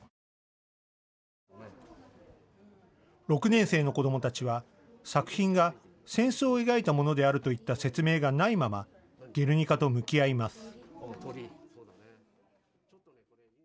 ６年生の子どもたちは作品が戦争を描いたものであるといった説明がないままゲルニカと向き合います。